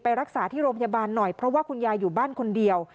รักษาที่โรงพยาบาลหน่อยเพราะว่าคุณยายอยู่บ้านคนเดียว